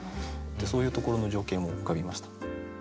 そういうところの情景も浮かびました。